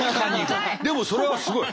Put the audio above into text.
でもそれはすごい。